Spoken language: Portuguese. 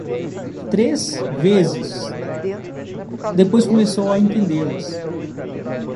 Três vezes; depois começou a estendê-las.